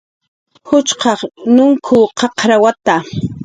Juchqaq nunkw qaqrawata